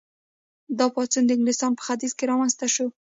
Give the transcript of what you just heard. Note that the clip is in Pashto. دا پاڅون د انګلستان په ختیځ کې رامنځته شو.